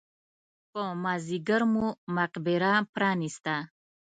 په مازیګر مو مقبره پرانېسته.